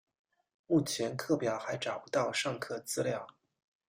目前课表还找不到上课资料